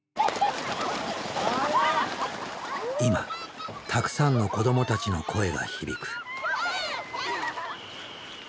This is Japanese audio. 今たくさんの子どもたちの声が響く。